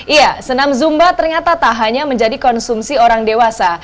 iya senam zumba ternyata tak hanya menjadi konsumsi orang dewasa